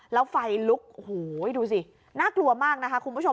แล้วไฟลุกโอ้โหดูสิน่ากลัวมากนะคะคุณผู้ชม